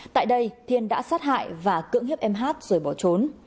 tại đây thiên đã sát hại và cưỡng hếp em hát rồi bỏ trốn